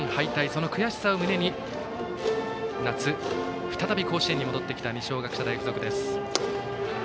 その悔しさを胸に夏、再び甲子園に戻ってきた二松学舎大付属。